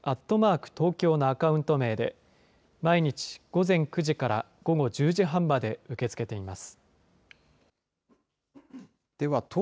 ＠東京のアカウント名で、毎日午前９時から午後１０時半まで受け付けています。